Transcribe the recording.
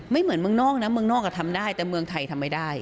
เหมือนเมืองนอกนะเมืองนอกทำได้แต่เมืองไทยทำไม่ได้